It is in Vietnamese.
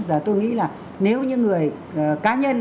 và tôi nghĩ là nếu như người cá nhân